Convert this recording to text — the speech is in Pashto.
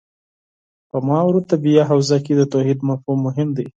په ماورا الطبیعه حوزه کې د توحید مفهوم مهم دی.